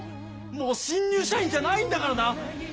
もう新入社員じゃないんだからな！